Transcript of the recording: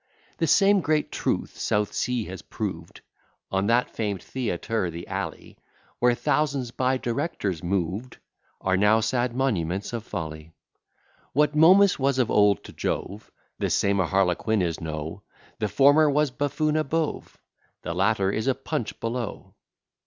The same great truth South Sea has proved On that famed theatre, the alley; Where thousands, by directors moved Are now sad monuments of folly. What Momus was of old to Jove, The same a Harlequin is now; The former was buffoon above, The latter is a Punch below.